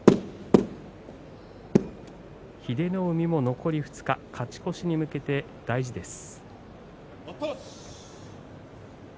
英乃海も残り２日勝ち越しに向けて大事な一番です。